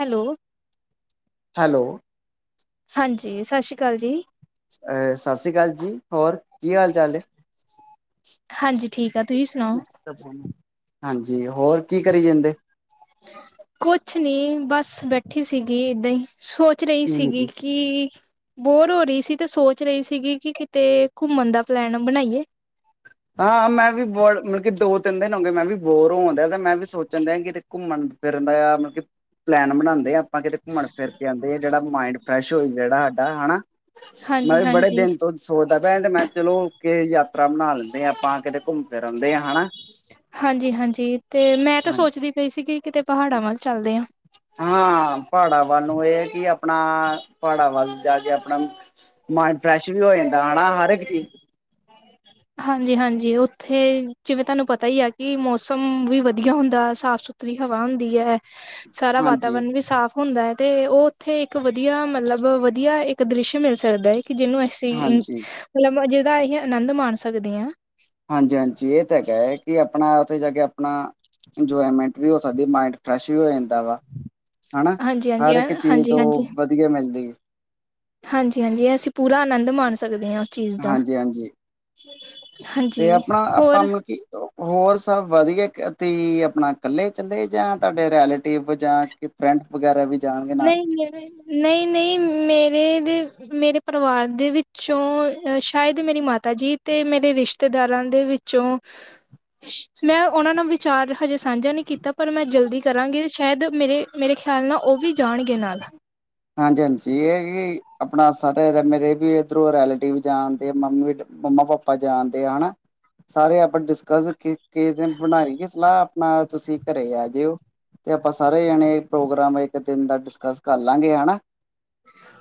Hello. Hello. ਹਾਂਜੀ, ਸ਼ਾਸ਼ੀ ਕਾਲ ਜੀ। ਅ ਸਾਸੀ ਕਾਲ ਜੀ, ਹੋਰ ਕੀ ਹਾਲ ਚਾਲ ਏ। ਹਾਂਜੀ ਠੀਕ ਆ, ਤੁਹੀ ਸੁਣਾਓ? ਹਾਂਜੀ, ਹੋਰ ਕੀ ਕਰੀ ਜਾਂਦੇ ਕੋਛ ਨੀ ਬਸ ਬੈਠੀ ਸੀਗੀ ਏਦਾਂ ਈ। ਸੋਚ ਰਈ ਸੀਗੀ ਕੀ ਬੋਰ ਹੋ ਰਈ ਸੀ ਤੇ ਸੋਚ ਰਹੀ ਸੀਗੀ, ਕਿ ਕਿਤੇ ਘੁੰਮਨ ਦਾ ਪਲੈਨ ਬਨਾਈਏ। ਹਾਂ ਮੈਂ ਵੀ [inaudible] ਦੋ ਤਿੰਨ ਦਿਨ ਹੋ ਗਏ ਮੈਂ ਵੀ ਬੋਰ ਹੋਨ ਦੇਆ, ਤੇ ਮੈਂ ਵੀ ਸੋਚਨ ਦੇਆ ਕਿਤੇ ਘੁੰਮਣ ਫਿਰਨ ਦਾ ਆ ਯਾਰ ਮਲਬ ਕੀ ਪਲੈਨ ਬਣਾਦੇ ਆਪਾਂ ਕਿਤੇ ਕੁੰਮਨ ਫਿਰ ਕੇ ਆਂਦੇ, ਜੇੜਾ ਮਾੰਈਡਂ ਫਰੈਸ਼ ਹੋਏ ਜੇੜਾ ਸਾਡਾ ਹਨਾ। ਮੈਂ ਹਾਂਜੀ ਵੀ ਬੜੇ ਹਾਂਜੀ ਦੇਨ ਤੋਂ ਸੋਚਦਾ ਪੈ ਤੇ ਮੈਂ ਚਲੋ ਕੇ ਯਾਤਰਾ ਬਣਾ ਲੈ ਤੇ ਆਪਾਂ ਕਿਤੇ ਕੁੰਮ ਹਾਂਜੀ, ਹਾਂਜੀ ਤੇ ਮੈਂ ਤਾ ਹਾਂ, ਸੋਚਦੀ ਪਈ ਸੀਗੀ ਕਿਤੇ ਪਹਾੜਾਂ ਵਾਲ ਚਾਲਦੇ ਆ। [unintelligible] ਹਾਂ ਪਾੜਾ ਵਾਲ ਨੂੰ ਏ ਕਿ ਆਪਣਾ ਪਾੜਾ ਵਾਲ ਜਾ ਕੇ ਆਪਣਾ ਮਾਇੰਡ ਫਰੈਸ਼ ਵੀ ਹੋ ਜਾਂਦਾ ਹਣਾ ਹਰ ਏਕ ਚੀਜ਼ ਹਾਂਜੀ, ਹਾਂਜੀ ਓਥੇ ਜਿਵੇਂ ਤਾਨੂੰ ਪਤਾ ਈ ਆ ਕਿ ਮੌਸਮ ਵੀ ਵਦੀਆ ਹੁੰਦਾ ਸਾਫ਼ ਸੁ ਸੁਤਰੀ ਹਵਾ ਹੁੰਦੀ ਐ, ਸਾਰਾ ਹਾਂਜੀ, ਵਾਤਾਵਰਨ ਵੀ ਸਾਫ਼ ਹੁੰਦਾ ਏ ਤੇ ਓ ਉੱਥੇ ਇੱਕ ਵਦੀਆ ਮਲਬ ਵਧੀਆ ਇੱਕ ਦ੍ਰਿਸ਼ਯ ਮਿਲ ਸਕਦਾ ਏ। ਕਿ ਜਿਨੂੰ ਅਸੀਂ ਹਾਂਜੀ, ਮਲਬ ਜਿਹਦਾ ਅਈ ਅਨੰਦ ਮਾਨ ਸਕਦੇ ਆਂ। ਹਾਂਜੀ, ਹਾਂਜੀ ਏ ਤਾ ਹੈਗਾ ਕੀ ਆਪਣਾ ਓਥੇ ਜਾ ਕੇ ਆਪਣਾ, ਇੰਜੋਏਮੈਂਟ ਵੀ ਹੋ ਸਕਦੀ ਮਾਇੰਡ ਫਰੈਸ਼ ਵੀ ਹੋ ਜਾਂ [inaudible] ਵਾ ਹਨਾ, ਹਾਂਜੀ, ਹਾਂਜੀ, ਹਰ ਹਾਂ, ਏਕ ਚੀਜ਼ ਹਾਂਜੀ, ਤੋ ਹਾਂਜੀ। ਵਦੀਆ ਮਿਲਦੀ ਹਾਂਜੀ, ਹਾਂਜੀ ਅਸੀ ਪੂਰਾ ਆਨੰਦ ਮਾਨ ਸਕਦੇ ਆਂ ਹਾਂਜੀ, ਹਾਂਜੀ। [unintelligible] ਤੇ ਆਪਨਾ ਆਪਾਂ ਹੋਰ ਮਲ ਕੀ ਹੋਰ ਸਾਭ ਵਦੀਆ ਕ ਤੀ ਅਪਨਾ ਕੱਲੇ ਚੱਲੇ ਜਾਂ ਤਾਡੇ ਰੈਲੇਟਿਵ ਜਾਂ ਕੀ ਫ੍ਰਂ ਵਗੈਰਾ ਵੀ ਜਾਣਗੇ ਨਾਲ ਨਈ ਮੇਰੇ ਨਈ, ਨਈ ਮੇਰੇ ਮੇਰੇ ਪਰੇਵਾਰ ਦੇ ਵਿੱਚੋਂ ਅ ਸ਼ਾਏਦ ਮੇਰੀ ਮਾਤਾ ਜੀ ਤੇ, ਮੇਰੇ ਰਿਸ਼ਤੇਦਾਰਾਂ ਦੇ ਵਿੱਚੋਂ ਮੈਂ ਓਨਾਂ ਨਾਲ ਵਿਚਾਰ ਹਜੇ ਸਾਂਝਾ ਨੀ ਕੀਤਾ, ਪਰ ਮੈਂ ਜਲਦੀ ਕਰਾਂਗੀ ਸ਼ਾਏਦ ਮੇਰੇ, ਮੇਰੇ ਖਿਆਲ ਨਾਲ ਓ ਵੀ ਜਾਣਗੇ ਨਾਲ ਹਾਂਜੀ, ਹਾਂਜੀ ਏਹ ਕਿ ਅਪਣਾ ਸਾਰੇ ਮੇਰੇ ਵੀ ਇਧਰੋਂ ਰੈਲੇਟਿਵ ਜਾਣਦੇ, [inaudible] ਮੰਮਾ-ਪਾਪਾ ਜਾਦੇਂ ਆ ਹਨਾ ਸਾਰੇ ਆਪਾਂ ਡਿਸਕਸ ਕਿ ਕੇਸ ਦੇਨ ਬਣਾ ਲਿਏ ਸਲਾਹ ਆਪਣਾ ਤੁਸੀ ਘਰੇ ਆ ਜਿਓ ਤੇ ਆਪਾਂ ਸਾਰੇ ਜਣੇ ਪ੍ਰੋਗਰਾਮ ਏਕ ਦੇਨ ਦਾ ਡਿਸਕਸ ਕਰ ਲਾਂਗੇ ਹਨਾ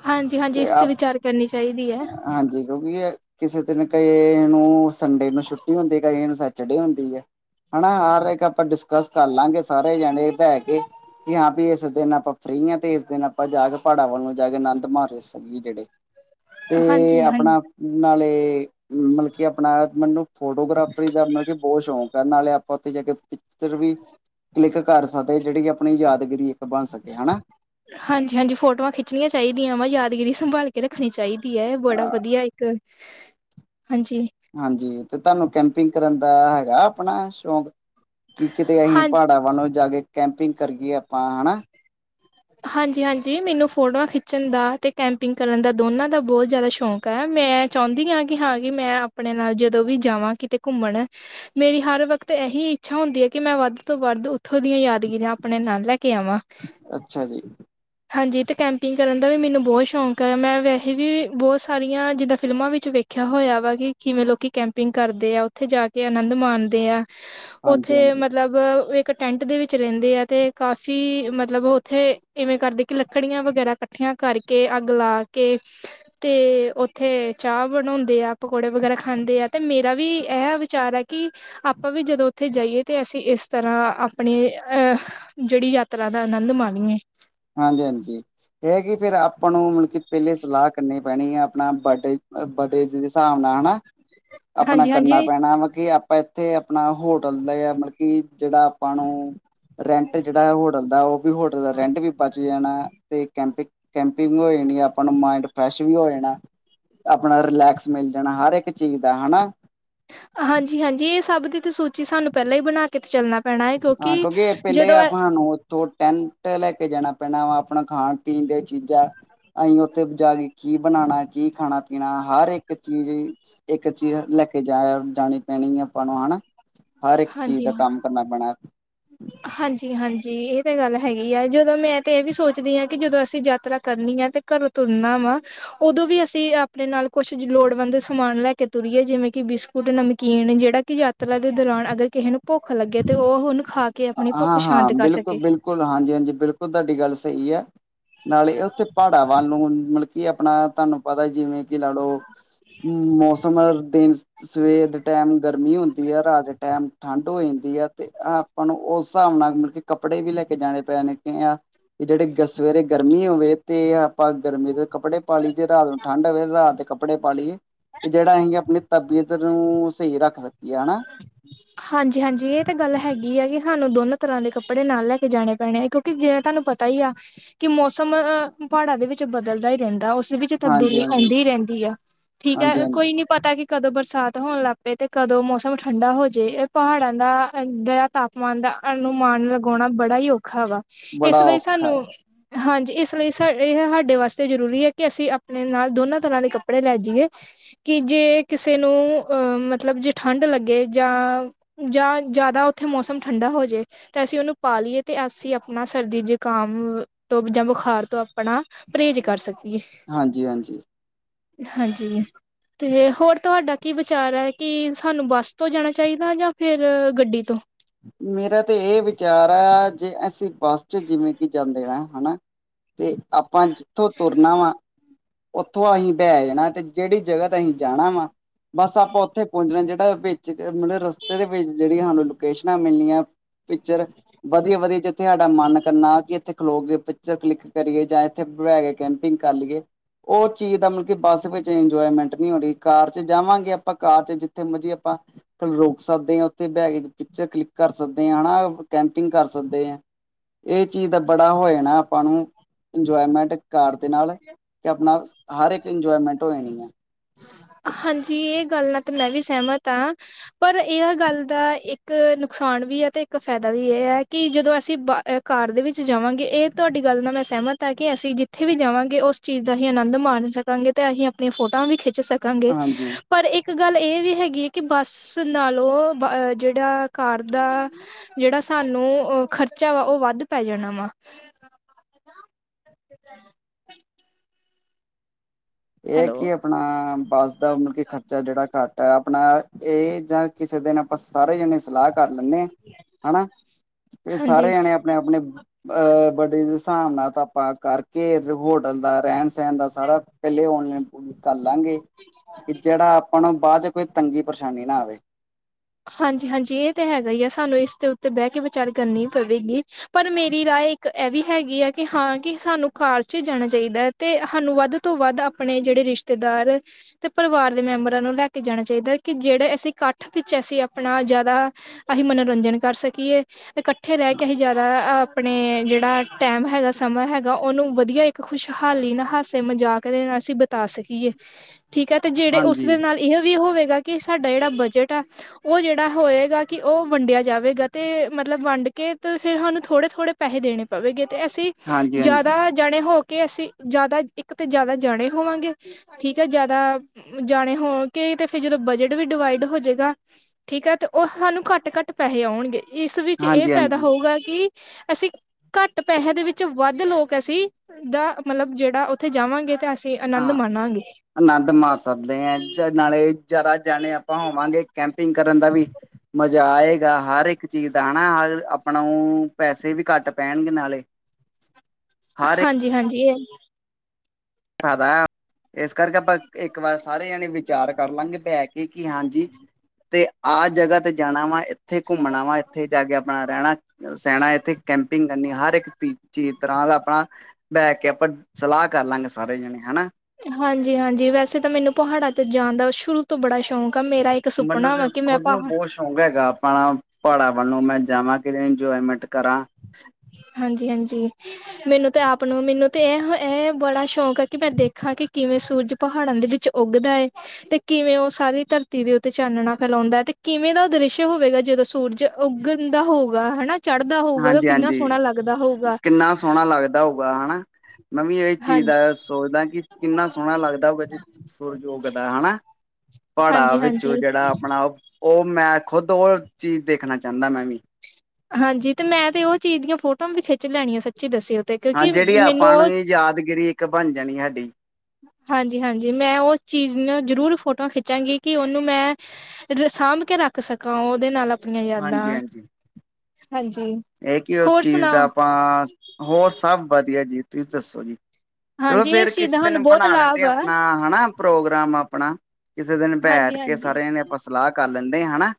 ਹਾਂਜੀ ਹਾਂਜੀ ਤੇ ਇਸ ਆਪ‌ ਵਿਚਾਰ ਕਰਨੀ ਚਾਹੀਦੀ ਹੈ [unintelligible] ਹਾਂਜੀ, ਕੇਓਂਕਿ ਏ ਕਿਸੇ ਦੇਨ ਕਏ ਨੂੰ ਸੰਡੇ ਨੂੰ ਛੁੱਟੀ ਹੁੰਦੀ ਏ ਕਈਆਂ ਨੂੰ ਸੈਚਡੇ ਹੁੰਦੀ ਐ। ਹਨਾ ਹਾਰ ਏਕ ਆਪਾਂ ਡਿਸਕਸ ਕਰ ਲਾਂਗੇ ਸਾਰੇ ਜਨੇ ਤਾ ਹੈਗੇ ਕਿ ਹਾਂ ਵੀ ਇਸ ਦੇਨ ਆਪਾਂ ਫ੍ਰੀ ਆ, ਤੇ ਏਸ ਦੇਨ ਆਪਾ ਜਾ ਕੇ ਪਾੜਾ ਵਾੱਲ ਨੂੰ ਜਾ ਕੇ ਆਨੰਦ ਮਾਣ ਰੇ ਸੀ ਜੇੜੇ ਤੇ, ਹਾਂਜੀ ਹਾਂ ਆਪਣਾ ਨਾਲੇ ਤੇ ਮਲਬ ਕੀ ਆਪਣਾ ਮਨੂੰ ਫੋਟੋਗ੍ਰਾਫਰੀ ਦਾ ਮਲਬ ਕਿ ਬੋਤ ਸ਼ੌਕ ਆ ਨਾਲੇ ਆਪਾਂ ਓਥੇ ਜਾ ਕੇ ਫਿਰ ਵੀ ਕਲਿੱਕ ਕਰ ਸਕਦੇ ਜੇੜੀ ਕਿ ਅਪਨੀ ਯਾਦਗਿਰੀ ਇੱਕ ਬਨ ਸਕੇ ਹਨਾ ਹਾਂਜੀ ਹਾਂਜੀ ਫੋਟੋਆਂ ਖਿੱਚਨੀਆਂ ਚਾਈਦੀਆਂ ਵਾ ਯਾਦਗਿਰੀ ਸੰਭਾਲ ਕੇ ਰੱਖਨੀ ਚਾਹੀਦੀ ਐ, ਬੜਾ ਵਦੀਆ ਇੱਕ ਹਂਜੀ। ਹਾਂਜੀ, ਤੇ ਤਾਨੂੰ ਕੈਂਪਿੰਗ ਕਰਨ ਦਾ ਹੈਗਾ ਆਪਨਾ ਸ਼ੌਕ ਕਿ ਕਿਤੇ ਅਸੀਂ ਹਾਂ ਪਹਾੜਾਂ ਵੱਲੋਂ ਜਾ ਕੇ ਕੈਂਪਿੰਗ ਕਰੀਏ ਆਪਾਂ ਹਨਾ ਹਾਂਜੀ-ਹਾਂਜੀ। ਮੈਨੂੰ ਫੋਟੋਆਂ ਖਿੱਚਣ ਦਾ ਤੇ ਕੈਂਪਿੰਗ ਕਰਨ ਦਾ ਦੋਨਾਂ ਦਾ ਬਹੁਤ ਜ਼ਿਆਦਾ ਸ਼ੌਕ ਹੈ ਮੈਂ ਚਾਹੁੰਦੀ ਹਾਂ ਕਿ ਹਾਂ ਵੀ ਮੈ ਆਪਣੇ ਨਾਲ ਜਦੋਂ ਵੀ ਜਾਵਾਂ ਕਿਤੇ ਘੁੰਮਣ ਮੇਰੀ ਹਰ ਵਕਤ ਇਹੀ ਇੱਛਾ ਹੁੰਦੀ ਹੈ ਕਿ ਮੈਂ ਵੱਧ ਤੋਂ ਵੱਧ ਉੱਥੋਂ ਦੀਆਂ ਯਾਦਗਰੀਆਂ ਆਪਣੇ ਨਾਲ ਲੈ ਕੇ ਆਵਾਂ ਅੱਛਾ ਜੀ ਹਾਂਜੀ ਅਤੇ ਕੈਂਪਿੰਗ ਕਰਨ ਦਾ ਵੀ ਮੈਨੂੰ ਬਹੁਤ ਸ਼ੌਂਕ ਹੈ। ਮੈਂ ਵੈਸੇ ਵੀ ਬਹੁਤ ਸਾਰੀਆਂ ਜਿੱਦਾਂ ਫਿਲਮਾਂ ਵਿੱਚ ਵੇਖਿਆ ਹੋਇਆ ਵਾ ਕਿ ਕਿਵੇਂ ਲੋਕੀ ਕੈਂਪਿੰਗ ਕਰਦੇ ਆ ਉੱਥੇ ਜਾ ਕੇ ਆਨੰਦ ਮਾਣਦੇ ਆ ਹਾਂਜੀ ਉੱਥੇ ਹਾਂਜੀ ਮਤਲਬ ਇੱਕ ਟੈਂਟ ਦੇ ਵਿੱਚ ਰਹਿੰਦੇ ਆ ਤੇ ਕਾਫੀ ਮਤਲਬ ਉੱਥੇ ਇਵੇਂ ਕਰਦੇ ਕਿ ਲੱਕੜੀਆਂ ਵਗੈਰਾ ਇਕੱਠੀਆਂ ਕਰਕੇ ਅੱਗ ਲਾ ਕੇ ਤੇ ਉੱਥੇ ਚਾਹ ਬਣਾਉਂਦੇ ਆ ਪਕੌੜੇ ਵਗੈਰਾ ਖਾਂਦੇ ਆ ਤੇ ਮੇਰਾ ਵੀ ਇਹ ਵਿਚਾਰ ਹੈ ਕਿ ਆਪਾਂ ਵੀ ਜਦੋਂ ਉੱਥੇ ਜਾਈਏ ਤੇ ਅਸੀਂ ਇਸ ਤਰ੍ਹਾਂ ਆਪਣੇ ਜਿਹੜੀ ਯਾਤਰਾ ਦਾ ਆਨੰਦ ਮਾਣ ਣੀਏ [unintelligible] ਹਾਂਜੀ-ਹਾਂਜੀ ਫੇਰ ਕਿ ਆਪਾਂ ਨੂੰ ਮਤਲਬ ਕਿ ਪਹਿਲੇ ਸਲਾਹ ਕਰਨੀ ਪੈਣੀ ਆ ਆਪਣਾ ਬਡੇ-ਬਡੇ ਦੇ ਹਿਸਾਬ ਨਾਲ ਹਨਾ, ਆਪਣਾ ਹਾਂਜੀ ਕਰਨਾ ਹਾਂਜੀ ਪੈਣਾ ਵਾ ਕਿ ਆਪਾਂ [unintelligible] ਇੱਥੇ ਆਪਣਾ ਹੋਟਲ ਦਾ ਮਤਲਬ ਕੀ ਜਿਹੜਾ ਆਪਾਂ ਨੂੰ ਰੈਂਟ ਜਿਹੜਾ ਹੋਟਲ ਦਾ ਉਹ ਵੀ ਹੋਟਲ ਦਾ ਰੈਂਟ ਵੀ ਬਚ ਜਾਣਾ ਤੇ ਕੈਂਪਿੰਗ ਵੀ ਹੋ ਜਾਣੀ ਆਪਾ ਨੂ ਮਾਈੰਡ ਫਰੈਸ਼ ਵੀ ਹੋ ਜਾਣਾ ਆਪਣਾ ਰਿਲੈਕਸ ਮਿਲ ਜਾਣਾ ਹਰ ਇੱਕ ਚੀਜ਼ ਦਾ ਹਨਾ ਹਾਂਜੀ-ਹਾਂਜੀ ਇਹ ਸਭ ਦੀ ਤਾਂ ਸੂਚੀ ਸਾਨੂੰ ਪਹਿਲਾਂ ਹੀ ਬਣਾ ਕੇ ਤੇ ਚੱਲਣਾ ਪੈਣਾ ਹੈ ਹਾਂ ਕਿਉਂਕਿ ਪਹਿਲੇ ਜਦੋਂ ਆਪਾਂੂੰ ਉਥੋਂ ਟੈਨ [unintelligible] ਟ ਲੈ ਕੇ ਜਾਣਾ ਪੈਣਾ ਵਾ ਆਪਣਾ ਖਾਣ-ਪੀਣ ਦੀਆਂ ਚੀਜ਼ਾਂ [unintelligible] ਅਸੀਂ ਉੱਥੇ ਜਾ ਕੇ ਕੀ ਬਣਾਉਣਾ, ਕੀ ਖਾਣਾ- ਪੀਣਾ ਹਰ ਇੱਕ ਚੀਜ਼ [unintelligible] ਇੱਕ ਚੀਜ਼ ਲੈ ਕੇ ਜਾ ਜਾਣੀ ਪੈਣੀ ਹੈ ਆਪਾਂ ਨੂੰ ਹਨਾ ਹਰ ਇੱਕ ਚੀਜ਼ ਦਾ ਕੰਮ ਕਰਨਾ ਪੈਣਾ ਹਾਂਜੀ! ਹਾਂਜੀ ਇਹ ਤਾਂ ਗੱਲ ਹੈਗੀ ਆ ਜਦੋਂ ਮੈਂ ਤਾਂ ਇਹ ਵੀ ਸੋਚਦੀ ਹਾਂ ਕਿ ਜਦੋਂ ਅਸੀਂ ਯਾਤਰਾ ਕਰਨੀ ਹੈ ਤੇ ਘਰੋਂ ਤੋਂ ਤੁਰਨਾ ਵਾ ਉਦੋਂ ਵੀ ਅਸੀਂ ਆਪਣੇ ਨਾਲ ਕੁੱਝ ਲੋੜਵੰਦ ਸਮਾਨ ਲੈ ਕੇ ਤੁਰੀਏ ਜਿਵੇਂ ਕਿ ਬਿਸਕੁਟ ਨਮਕੀਨ ਜਿਹੜਾ ਕਿ ਯਾਤਰਾ ਦੇ ਦੌਰਾਨ ਅਗਰ ਕਿਸੇ ਨੂੰ ਭੁੱਖ ਲੱਗੇ ਤੇ ਉਹ ਹੁਣ ਹਾਂ-ਹਾਂ ਬਿਲਕੁਲ-ਬਿਲਕੁਲ ਹਾਂਜੀ-ਹਾਂਜੀ ਬਿਲਕੁਲ ਤੁਹਾਡੀ ਗੱਲ ਸਹੀ ਹੈ ਨਾਲੇ ਉੱਥੇ ਪਹਾੜਾਂ ਵੱਲ ਨੂੰ ਮਤਲਬ ਕੀ ਆਪਣਾ ਤੁਹਾਨੂੰ ਪਤਾ ਜਿਵੇਂ ਲਾੜੋ ਮੌਸਮ ਦਿਨ [unintelligible] ਸਵੇਰ ਦੇ ਟਾਈਮ ਗਰਮੀ ਹੁੰਦੀ ਆ ਰਾਤ ਦੇ ਟਾਈਮ ਠੰਢ ਹੋ ਜਾਂਦੀ ਆ ਤੇ ਆਪ ਆਪਾਂ ਨੂੰ ਉਸ ਹਿਸਾਬ ਨਾਲ ਮਤਲਬ ਕਿ ਕੱਪੜੇ ਵੀ ਲੈ ਕੇ ਜਾਣੇ ਪੈਣੇ ਆ ਜਿਹੜੇ ਸਵੇਰੇ ਗਰਮੀ ਹੋਵੇ ਤੇ ਆਪਾਂ ਗਰਮੀ ਦੇ ਕੱਪੜੇ ਪਾ ਲਈ ਜੇ ਰਾਤ ਨੂੰ ਠੰਢ ਹੋਵੇ ਰਾਤ ਦੇ ਕੱਪੜੇ ਪਾ ਲਈਏ ਇਹ ਜਿਹੜਾ ਹੈਗਾ [unintelligible] ਆਪਣੀ ਤਬੀਅਤ ਨੂੰ ਸਹੀ ਰੱਖ ਸਕੀਏ ਹੈਨਾ ਹਾਂਜੀ-ਹਾਂਜੀ ਇਹ ਤਾਂ ਗੱਲ ਹੈਗੀ ਆ ਕਿ ਸਾਨੂੰ ਦੋਨੋ ਤਰ੍ਹਾਂ ਦੇ ਕੱਪੜੇ ਨਾਲ ਲੈ ਕੇ ਜਾਣੇ ਪੈਣੇ ਆ ਕਿਉਂਕਿ ਜਿਵੇਂ ਤੁਹਾਨੂੰ ਪਤਾ ਸਹੀ ਆ ਕਿ ਮੌਸਮ ਪਹਾੜਾਂ ਦੇ ਵਿੱਚ ਬਦਲਦਾ ਹੀ ਰਹਿੰਦਾ ਹਾਂ ਉਸ ਵਿੱਚ ਤਬਦੀਲੀ ਹਾਂਜੀ-ਹਾਂਜੀ, ਆਉਂਦੀ ਹੀ ਰਹਿੰਦੀ ਆ ਠੀਕ ਹੈ ਹਾਂਜੀ-ਹਾਂਜੀ, ਕੋਈ ਨੀ ਪਤਾ ਕਿ ਕਦੋਂ ਬਰਸਾ ਸਾਥ ਹੋਣ ਲੱਗ ਪਏ ਤੇ ਕਦੋਂ ਮੌਸਮ ਠ [unintelligible] ਠੰਡਾ ਹੋ ਜਾਏ ਇਹ ਪਹਾੜਾਂ ਦਾ ਤਾਪਮਾਨ ਦਾ ਅਨੁਮਾਨ ਲਗਾਉਣਾ ਬੜਾ ਹੀ ਔਖ ਔਖਾ ਵਾ ਇਸ ਬੜਾ ਲਈ ਔਖਾ ਸਾਨੂੰ ਹਾਂਜੀ ਇਸ ਲਈ ਇਹ ਸਾਡੇ ਵਾਸਤੇ ਜ਼ਰੂਰੀ ਹੈ ਕਿ ਅਸੀਂ ਆਪਣੇ ਨਾਲ ਦੋਨਾਂ ਤਰ੍ਹਾਂ ਦੇ ਕੱਪੜੇ ਲੈ ਜਾਈਏ ਕਿ ਜੇ ਕਿਸੇ ਨੂੰ ਅਹ ਮਤਲਬ ਜੇ ਠੰਢ ਲੱਗੀ ਜਾਂ ਜਾਂ ਜ਼ਿਆਦਾ ਉੱਥੇ ਮੌਸਮ ਠੰਡਾ ਹੋ ਜਾਏ ਤੇ ਅਸੀਂ ਉਹਨੂੰ ਪਾ ਲਈਏ ਤੇ ਅਸੀਂ ਨਾ ਸਰਦੀ ਜ਼ੁਕਾਮ ਤੋਂ ਜਾਂ ਬੁਖਾਰ ਤੋਂ ਆਪਣਾ ਪਰਹੇਜ਼ ਕਰ ਸਕੇ ਹਾਂਜੀ-ਹਾਂਜੀ ਹਾਂਜੀ ਤੇ ਹੋਰ ਤੁਹਾਡਾ ਕੀ ਵਿਚਾਰ ਹੈ ਕਿ ਸਾਨੂੰ ਬਸ ਤੋਂ ਜਾਣਾ ਚਾਹੀਦਾ ਜਾਂ ਫਿਰ ਗੱਡੀ ਤੋਂ ਮੇਰਾ ਤੇ ਇਹ ਵਿਚਾਰ ਆ ਜੇ ਅਸੀਂ ਬੱਸ ਚ ਜਿਵੇਂ ਕਿ ਜਾਂਦੇ ਦੇਣਾ ਹਨਾ ਤੇ ਆਪਾਂ ਜਿੱਥੋਂ ਤੁਰਨਾ ਵਾ [unintelligible] ਉੱਥੋਂ ਅਸੀਂ ਬਹਿ ਜਾਣਾ ਤੇ ਜਿਹੜੀ ਜਗ੍ਹਾ ਤੇ ਅਸੀਂ ਜਾਣਾ ਵਾ ਬਸ ਆਪਾਂ ਉੱਥੇ ਪਹੁੰਜਣਾ ਜਿਹੜੇ ਵਿੱਚ ਮਤਲਬ ਰਸਤੇ ਦੇ ਵਿੱਚ ਜਿਹੜੀਆਂ ਸਾਨੂੰ ਲੋਕੇਸ਼ਨਾਂ ਮਿਲਣੀਆਂ। ਪਿਕਚਰ ਵਧੀਆ-ਵਧੀਆ ਜਿੱਥੇ ਸਾਡਾ ਮਨ ਕਰਨਾ ਕਿ ਇੱਥੇ ਖਲੋਗੇ ਪਿਕਚਰ ਕਲਿੱਕ ਕਰੀਏ ਜਾਂ ਇੱਥੇ ਵੇ ਕੇ ਕੈਂਪਿੰਗ ਕਰ ਲਈਏ ਉਹ ਚੀਜ਼ ਦਾ ਮਤਲਬ ਕਿ ਬੱਸ ਵਿੱਚ ਇੰਜੋਏਮੈਂਟ ਨਹੀਂ ਹੋ ਰਹੀ ਕਾਰ ਚ ਜਾਵਾਂਗੇ ਆਪਾਂ ਕਾਰ ਚ ਜਿੱਥੇ ਮਰਜ਼ੀ ਆਪਾਂ ਰੋਕ ਸਕਦੇ ਹਾਂ ਉੱਥੇ ਬਹਿ ਪਿਕਚਰ ਕਲਿੱਕ ਕਰ ਸਕਦੇ ਹ ਹਨਾ ਕੈਂਪਿੰਗ ਕਰ ਸਕਦੇ ਆ, ਇਹ ਚੀਜ਼ ਦਾ ਬੜਾ ਹੋਏ ਨਾ ਆਪਾਂ ਨੂੰ ਇੰਜੋਏਮੈਂਟ ਕਾਰ ਦੇ ਨਾਲ ਕਿ ਆਪਣਾ ਹਰ ਇੱਕ ਇੰਜੋਏਮੈਂਟ ਹੋ ਜਾਣੀ ਆ ਹਾਂਜੀ ਇਹ ਗੱਲ ਨਾਲ ਤੇ ਮੈਂ ਵੀ ਸਹਿਮਤ ਹਾਂ ਪਰ ਇਹ ਗੱਲ ਦਾ ਇੱਕ ਨੁਕਸਾਨ ਵੀ ਹੈ ਤੇ ਇੱਕ ਫਾਇਦਾ ਵੀ ਇਹ ਹੈ ਕਿ ਜਦੋਂ ਅਸੀਂ ਕਾਰ ਦੇ ਵਿੱਚ ਜਾਵਾਂਗੇ ਇਹ ਤੁਹਾਡੀ ਗੱਲ ਨਾਲ ਮੈਂ ਸਹਿਮਤ ਆ, ਤਾਂ ਕਿ ਅਸੀਂ ਜਿੱਥੇ ਵੀ ਜਾਵਾਂਗੇ ਉਸ ਚੀਜ਼ ਦਾ ਅਸੀਂ ਆਨੰਦ ਮਾਣ ਸਕਾਂਗੇ ਤੇ ਅਸੀਂ ਆਪਣੀਆਂ ਫੋਟੋਆਂ ਵੀ ਖਿੱਚ ਸਕ ਗੇ ਹਾਂਜੀ ਪਰ ਇੱਕ ਇੱਕ ਗੱਲ ਇਹ ਵੀ ਹੈਗੀ ਹੈ ਕਿ ਬੱਸ ਨਾਲੋਂ ਜਿਹੜਾ ਕਾਰ ਦਾ ਜਿਹੜਾ ਸਾਨੂੰ ਅ ਖਰਚਾ ਵਾ ਉਹ ਵੱਧ ਪੈ ਜਾਣਾ ਵਾ ਇਹ ਹੈਲੋ ਕਿ ਆਪਣਾ ਬੱਸ ਦਾ ਮਤਲਬ ਕੀ ਖਰਚਾ ਜਿਹੜਾ ਘੱਟ ਹੈ। ਆਪਣਾ ਇਹ ਜਾਂ ਕਿਸੇ ਦਿਨ ਆਪਾਂ ਸਾਰੇ ਜਾਣੇ ਸਲਾਹ ਕਰ ਲੈਂਦੇ ਆ ਹੈਨਾ ਫ ਸਾਰੇ ਹਾਂਜੀ ਜਾਣੇ ਆਪਣੇ-ਆਪਣੇ ਅਹ ਵੱਡੇ ਹਿਸਾਬ ਨਾਲ ਤਾਂ ਆਪ ਕਰਕੇ ਹੋਟਲ ਦਾ ਰਹਿਣ ਸਹਿਣ ਦਾ ਸਾਰਾ ਪਹਿਲੇ ਔਨਲਾਈਨ ਪੂਰੀ ਕਰ ਲਾਂਗੇ ਕਿ ਜਿਹੜਾ ਆਪਾਂ ਬਾਅਦ ਚ ਕੋਈ ਤੰਗੀ ਪਰੇਸ਼ਾਨੀ ਨਾ ਆਵੇ ਹਾਂਜੀ-ਹਾਂਜੀ ਇਹ ਤੇ ਹੈਗਾ ਹੀ ਆ ਸਾਨੂੰ ਇਸ ਦੇ ਉੱਤੇ ਬਹਿ ਕੇ ਵਿਚਾਰ ਕਰਨੀ ਪਵੇਗੀ ਪਰ ਮੇਰੀ ਰਾਜ ਇੱਕ ਇਹ ਵੀ ਹੈਗੀ ਆ ਕਿ ਹਾਂ ਕਿ ਸਾਨੂੰ ਕਾਰ ਚ ਹੀ ਜਾਣਾ ਚਾਹੀਦਾ ਹੈ ਤੇ ਸਾਨੂੰ ਵੱਧ ਤੋਂ ਵੱਧ ਆਪਣੇ ਜਿਹੜੇ ਰਿਸ਼ਤੇਦਾਰ ਤੇ ਪਰਿਵਾਰ ਦੇ ਮੈਂਬਰਾਂ ਨੂੰ ਲੈ ਕੇ ਜਾਣਾ ਚਾਹੀਦਾ ਕਿ ਜਿਹੜੇ ਅਸੀਂ ਇਕੱਠ ਅਸੀਂ ਆਪਣਾ ਜਿਆਦਾ ਅਸੀਂ ਮਨੋਰੰਜਨ ਕਰ ਸਕੀਏ ਇਕੱਠੇ ਰਹਿ ਕੇ ਅਸੀਂ ਜਿਆਦਾ ਆਪਣੇ ਆਪਣੇ ਜਿਹੜਾ ਟੈਮ ਹੈਗਾ ਸਮਾਂ ਹੈਗਾ ਉਹਨੂੰ ਵਧੀਆ ਇੱਕ ਖੁਸ਼ਹਾਲੀ ਨਹਾਸੇ ਮਜਾਕ ਦੇ ਨਾਲ ਅਸੀਂ ਬਿਤਾ ਸਕੀਏ ਠੀਕ ਹੈ ਤੇ ਜਿਹੜੇ ਹਾਂਜੀ ਉਸਦੇ ਨਾਲ ਇਹ ਵੀ ਹੋਵੇਗਾ ਕਿ ਸਾਡਾ ਜਿਹੜਾ ਬਜਟ ਆ ਉਹ ਜਿਹੜਾ ਹੋਏਗਾ ਕਿ ਉਹ ਵੰਡਿਆ ਜਾਵੇਗਾ ਤੇ ਮਤਲਬ ਵੰਡ ਕੇ ਤੇ ਫਿਰ ਸਾਨੂੰ ਥੋੜ੍ਹੇ-ਥੋੜ੍ਹੇ ਪੈਹੈ ਦੇਣੀ ਪਵੇਗੀ ਤੇ ਅਸੀਂ ਹਾਂਜੀ ਹਾਂਜੀ ਜ਼ਿਆਦਾ ਜਾਣੇ ਹੋ ਕਿ ਅਸੀਂ ਜਿਆਦਾ ਇੱਕ ਤੇ ਜਿਆਦਾ ਜਾਣੇ ਹੋਵਾਂਗੇ ਠੀਕ ਹੈ ਜਿਆਦਾ ਜਾਣੇ ਹੋ ਕੇ ਤੇ ਫਿਰ ਜਦੋਂ ਬਜਟ ਵੀ ਡਿਵਾਈਡ ਹੋ ਜੇ ਠੀਕ ਹੈ ਤੇ ਉਹ ਸਾਨੂੰ ਘੱਟ -ਘੱਟ ਪੈਹੈ ਆਣਗੇ ਇਸ ਵਿੱਚ ਇਹ ਹਾਂਜੀ ਫਾਇਦਾ ਹਾਂਜੀ ਹੋਊਗਾ ਕਿ ਅਸੀਂ ਘੱਟ ਪੈਹੈ ਦੇ ਵਿੱਚ ਵੱਧ ਲੋਕ ਅਸੀਂ ਦਾ ਮਤਲਬ ਜਿਹੜਾ ਉੱਥੇ ਜਾਵਾਂਗੇ ਤੇ ਅਸੀਂ ਆਨੰਦ ਹਾਂ ਮਾਣਾਂਗੇ ਆਨੰਦ ਮਾਰ ਸਕਦੇ ਆ ਨਾਲੇ ਜ਼ਰਾ ਜਾਣੇ ਆਪਾਂ ਹੋਵਾਂਗੇ। ਕੈਂਪਿੰਗ ਕਰਨ ਦਾ ਵੀ ਮਜ਼ਾ ਆਏਗਾ ਹਰ ਇੱਕ ਚੀਜ਼ ਦਾ ਨਾ ਆਪਣਾ ਪੈਸੇ ਵੀ ਘੱਟ ਪੈਣਗੇ ਨਾਲੇ ਹਰ ਇੱਕ ਹਾਂਜੀ-ਹਾਂਜੀ ਇਹ ਫਾਇਦਾ ਇਸ ਕਰਕੇ ਆਪਾਂ ਇੱਕ ਵਾਰ ਸਾਰੇ ਜਾਣੇ ਵਿਚਾਰ ਕਰ ਲਾਂਗੇ ਬੈ ਕੀ ਹਾਂਜੀ ਤੇ ਆਹ ਜਗ੍ਹਾ ਤੇ ਜਾਣਾ ਵਾ ਇੱਥੇ ਘੁੰਮਣਾ ਵਾ ਇੱਥੇ ਜਾ ਕੇ ਆਪਣਾ ਰਹਿਣਾ ਸਹਿਣਾ ਇੱਥੇ ਕੈਂਪਿੰਗ ਕਰਨੀ ਹਰ ਇੱਕ ਚੀਜ਼ ਤਰ੍ਹਾਂ ਦਾ ਆਪਣਾ ਬੈਠ ਕੇ ਆਪਾਂ ਸਲਾਹ ਕਰ ਲਾਂਗੇ ਸਾਰੇ ਜਾਣੇ ਹੈਨਾ ਹਾਂਜੀ-ਹਾਂਜੀ ਵੈਸੇ ਤਾਂ ਮੈਨੂੰ ਪਹਾੜਾਂ ਤੇ ਜਾਣ ਦਾ ਸ਼ੁਰੂ ਤੋਂ ਬੜਾ ਸ਼ੌਕ ਆ ਮੇਰਾ ਇੱਕ ਮੈਨੂੰ ਸੁਪਨਾ ਤੇ ਵਾ ਕਿ ਮੈਂ ਖੁਦ ਨੂੰ ਪਹਾ ਬਹੁਤ ਸ਼ੌਕ ਹੈਗਾ ਆਪਾਂਣਾ ਪਹਾੜਾਂ ਵੱਲੋਂ ਮੈਂ ਜਾਵਾਂ ਕਿ ਇੰਜੋਏਮੈਂਟ ਕਰਾਂ ਹਾਂਜੀ-ਹਾਂਜੀ, ਮੈਨੂੰ ਤੇ ਆਪ ਨੂੰ ਮੈਨੂੰ ਤੇ ਇਹ ਇਹ ਬੜਾ ਸ਼ੌਕ ਹੈ ਕਿ ਮੈਂ ਦੇਖਾਂ ਕਿ ਕਿਵੇਂ ਸੂਰਜ ਪਹਾੜਾਂ ਦੇ ਵਿੱਚ ਉੱਗਦਾ ਤੇ ਕਿਵੇਂ ਉਹ ਸਾਰੀ ਧਰਤੀ ਦੇ ਉੱਤੇ ਚਾਨਣਾ ਫੈਲਾਉਂਦਾ ਹੈ ਤੇ ਕਿਵੇਂ ਦਾ ਉਹ ਦ੍ਰਿਸ਼ਯ ਹੋਵੇਗਾ ਜਦੋਂ ਸੂਰ ਜ ਉੱਗਣ ਦਾ ਹੋਊਗਾ ਹਨਾ ਚੜਦਾ ਹੋਊਗਾ ਉਹ ਕਿੰਨਾ ਹਾਂਜੀ-ਹਾਂਜੀ ਸੋਹਣਾ ਲੱਗਦਾ ਹੋਊਗਾ ਕਿੰਨਾ ਸੋਹਣਾ ਲੱਗਦਾ ਹੋਊਗਾ ਹੈਨਾ ਮੈਂ ਵੀ ਇਹ ਚੀਜ਼ ਹਾਂਜੀ, ਦਾ ਸੋਚਦਾ ਕਿ ਕਿੰਨਾ ਸੋਹਣਾ ਲੱਗਦਾ ਹੋਊਗਾ ਜਦੋਂ ਸੁਰਜ ਉੱਗਦਾ ਪਾੜਾਂ ਹਾਂਜੀ-ਹਾਂਜੀ। ਵਿੱਚੋਂ ਹਾਂਜੀ ਜਿਹੜਾ ਆਪਣਾ ਉਹ ਉਹ ਮੈਂ ਖੁਦ ਉਹ ਚੀਜ਼ ਦੇਖਣਾ ਚਾਹੁੰਦਾ ਮੈਂ ਵੀ ਹਾਂਜੀ ਤੇ ਮੈਂ ਤੇ ਉਹ ਚੀਜ਼ ਦੀਆਂ ਫੋਟੋਆਂ ਵੀ ਖਿੱਚ ਲੈਣੀਆਂ ਸ ਚੀ ਦੱਸਓ ਹਾਂ ਕਿਉਂਕਿ ਜਿਹੜੀ ਮੈਨੂੰ ਆਪਾਂ ਉਹ ਨੂੰ ਯਾਦਗਿਰੀ ਇੱਕ ਬਣ ਜਾਣੀ ਸਾਡੀ ਹਾਂਜੀ-ਹਾਂਜੀ ਮੈਂ ਉਸ ਚੀਜ਼ ਨੂੰ ਜ਼ਰੂਰ ਫੋਟੋਆਂ ਖਿੱਚਾਂਗੀ ਕਿ ਉਹਨੂੰ ਮੈਂ ਰਸਾਂਭ ਸਭ ਕੇ ਰੱਖ ਸਕਾਂ ਉਹਦੇ ਨਾਲ ਆਪਣੀਆਂ ਯਾਦਾਂ ਹਾਂਜੀ-ਹਾਂਜੀ ਹਾਂਜੀ। ਇਹ ਕੀ ਉਸ ਹੋਰ ਚੀਜ਼ ਦਾ ਸੁਣਾਓ ਆਪਾਂ ਹੋਰ ਸਭ ਵਧੀਆ ਜੀ ਤੁਸੀਂ ਦੱਸੋ ਜੀ? ਚਲੋ ਹਾਂਜੀ ਫੇਰ ਇਸ ਚੀਜ਼ ਕਿਸ ਦਾ ਸਾਨੂੰ ਦਿਨ ਬਹੁਤ ਬਣਾ ਲੈਂਦੇ ਲਾਭ ਆ। ਆਪਣਾ ਐ ਹਨਾ ਪ੍ਰੋਗਰਾਮ ਆਪਣਾ ਕਿਸੇ ਦਿਨ ਬੈਠ ਕੇ ਹਾਂਜੀ-ਹਾਂਜੀ। ਸਾਰਿਆਂ ਨੇ ਆਪਾਂ ਸਲਾਹ ਕਰ ਲੈਂਦੇ ਹਾਂ ਹੈਨਾ।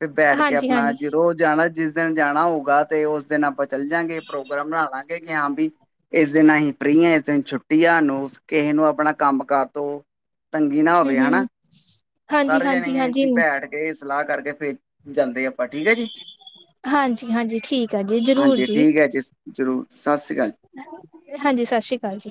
ਤੇ ਬੈਠ ਕੇ ਆਪਣਾ ਹਾਂਜੀ-ਹਾਂਜੀ ਜਦੋਂ ਜਾਣਾ ਜਿਸ ਦਿਨ ਜਾਣਾ ਹੋਊਗਾ ਤੇ ਉਸ ਦਿਨ ਆਪਾਂ ਚੱਲ ਜਾਂਗੇ ਪ੍ਰੋਗਰਾਮ ਬਣਾ ਲਾਂਗੇ ਕਿ ਹਾਂ ਵੀ ਇਸ ਦਿਨ ਅਸੀਂ ਫਰੀ ਹ ਕਿਸ ਛੁੱਟੀਆਂ ਨੂੰ ਕਿਸੇ ਨੂੰ ਆਪਣਾ ਕੰਮ ਕਾਜ ਤੋਂ ਤੰਗੀ ਨਾ ਹੋਵੇ ਹਨਾ ਹੂੰ-ਹੂੰ ਸਾਰੇ ਜਾਣੇ ਅਸੀ ਹਾਂਜੀ-ਹਾਂਜੀ-ਹਾਂਜੀ। ਬੈਠ ਗਏ। ਸਲਾਹ ਕਰਕੇ ਫੇਰ ਜਾਂਦੇ ਆਪਾਂ ਠੀਕ ਹੈ ਜੀ ਹਾਂਜੀ ਠੀਕ ਆ ਜੀ ਜਰੂਰ ਹਾਂਜੀ ਜੀ ਠੀਕ ਹੈ ਜ਼ਰੂਰ ਸਤਿ ਸ਼੍ਰੀ ਅਕਾਲ ਹਾਂਜੀ ਸਤਿ ਸ੍ਰੀ ਅਕਾਲ ਜੀ